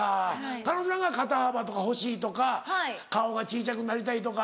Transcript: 彼女なんかは肩幅とか欲しいとか顔が小ちゃくなりたいとか。